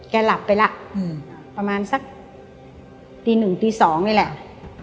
หลับไปแล้วประมาณสักตีหนึ่งตี๒นี่แหละ